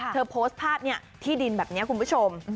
โพสต์ภาพที่ดินแบบนี้คุณผู้ชม